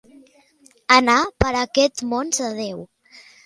Anar per aquests mons de Déu.